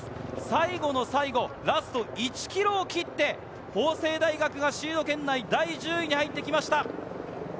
最後の最後、ラスト１ｋｍを切って法政大学がシード圏内、第１０位に入ってきました。